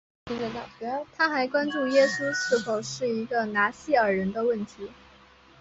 它还关注耶稣是否是一个拿细耳人问题。